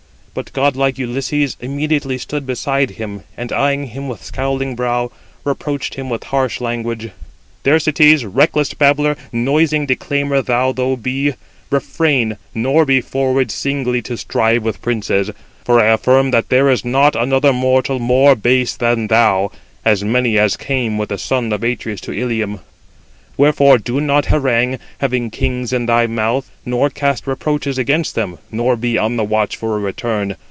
But godlike Ulysses immediately stood beside him, and eyeing him with scowling brow, reproached him with harsh language: "Thersites, reckless babbler! noisy declaimer though thou be, refrain, nor be forward singly to strive with princes; for I affirm that there is not another mortal more base than thou, as many as came with the son of Atreus to Ilium. Wherefore do not harangue, having kings in thy mouth, nor cast reproaches against them, nor be on the watch for a return.